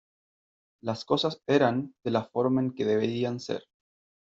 Las cosas eran de la forma en que deberían ser